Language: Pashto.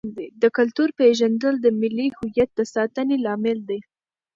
د کلتور پیژندل د ملي هویت د ساتنې لامل دی.